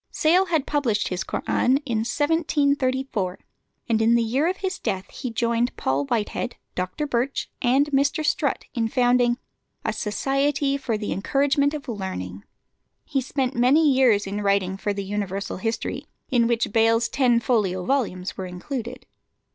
Sale had published his Koran in 1734, and in the year of his death he joined Paul Whitehead, Dr. Birch, and Mr. Strutt, in founding a "Society for the Encouragement of Learning." He spent many years in writing for the Universal History, in which Bayle's ten folio volumes were included.